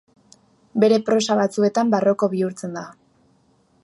Bere prosa batzuetan barroko bihurtzen da.